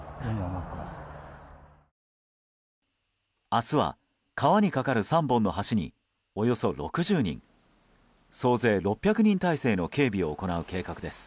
明日は、川に架かる３本の橋におよそ６０人総勢６００人態勢の警備を行う計画です。